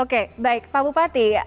oke baik pak bupati